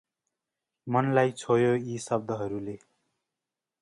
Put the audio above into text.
मनलाइ छोयो यी शब्दहरुले।